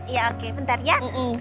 iya oke bentar ya